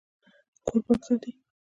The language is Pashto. کور پاک ساتئ